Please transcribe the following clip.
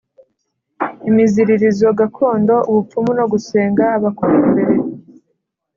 imiziririzo gakondo, ubupfumu no gusenga abakurambere